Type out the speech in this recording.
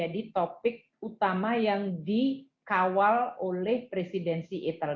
di sini akan dibahas berbagai proses